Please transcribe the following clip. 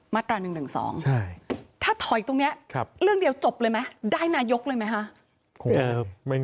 มาตรา๑๑๒ถ้าถอยตรงนี้เรื่องเดียวจบเลยไหมได้นายกเลยไหมฮะคงไม่ง่ายขนาดนั้น